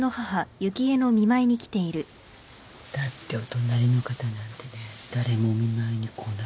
だってお隣の方なんてね誰もお見舞いに来ないのよ。